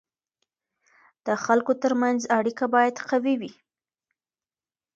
د خلکو ترمنځ اړیکه باید قوي وي.